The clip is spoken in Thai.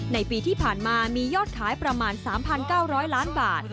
ในปีที่ผ่านมามียอดขายประมาณ๓๙๐๐ล้านบาท